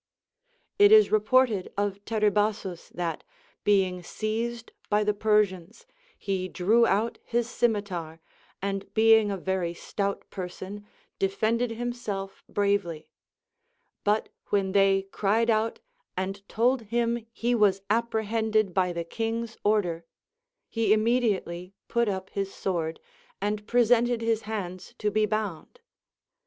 8. It is reported of Teribazus that, being seized by the Persians, he drew out his scimitar, and being a very stout person, defended himself bravely ; but when they cried out and told him he was apprehended by the king's order, he immediately put up his sword, and presented his hands to be bound.